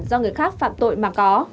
do người khác phạm tội mà có